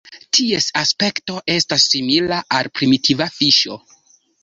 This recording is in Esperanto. Ties aspekto estas simila al "primitiva fiŝo".